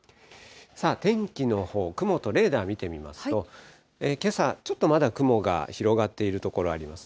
天気のほう、雲とレーダー、見てみますと、けさ、ちょっとまだ雲が広がっている所ありますね。